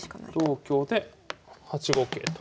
同香で８五桂と。